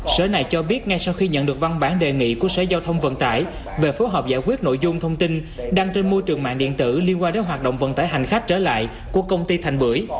sở này cho biết ngay sau khi nhận được văn bản đề nghị của sở giao thông vận tải về phối hợp giải quyết nội dung thông tin đăng trên môi trường mạng điện tử liên quan đến hoạt động vận tải hành khách trở lại của công ty thành bưởi